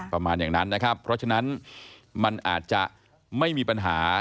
ประมาณอย่างนั้นนะครับเพราะฉะนั้นมันอาจจะไม่มีปัญหา